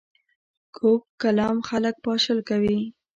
کوږ کلام خلک پاشل کوي